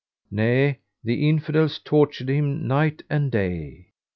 Nay, the Infidels tortured him night and day.